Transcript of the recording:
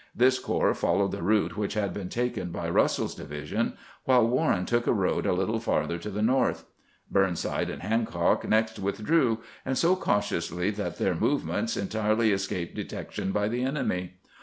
This corps followed the route which had been taken by Eussell's division, while "Warren took a road a little farther to the north. Burnside and Hancock next withdrew, and so cautiously that their movements entirely escaped detec tion by the enemy.